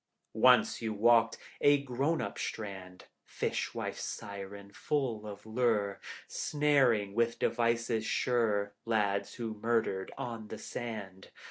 Once you walked a grown up strand Fish wife siren, full of lure, Snaring with devices sure Lads who murdered on the sand.